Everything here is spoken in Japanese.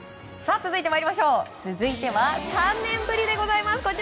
続いては３年ぶりでございます。